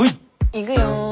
行くよ。